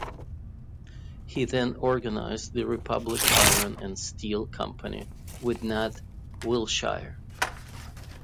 He then organized the Republic Iron and Steel Company, with Nat Wilshire.